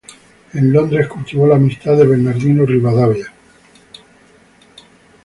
En Londres cultivó la amistad de Bernardino Rivadavia.